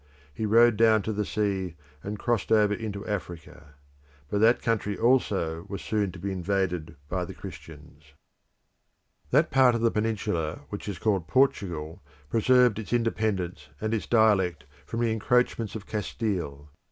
He rode down to the sea and crossed over into Africa. But that country also was soon to be invaded by the Christians. The Portuguese Discoveries That part of the Peninsula which is called Portugal preserved its independence and its dialect from the encroachments of Castile.